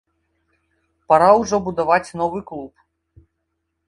Пара ўжо будаваць новы клуб.